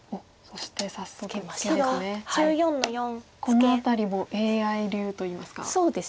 この辺りもＡＩ流といいますか。